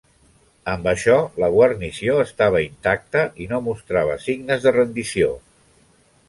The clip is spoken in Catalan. Amb això, la guarnició estava intacta i no mostrava signes de rendició.